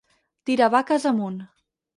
Tirar vaques amunt.